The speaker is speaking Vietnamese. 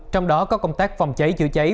trong đó có công tác phòng cháy chữa cháy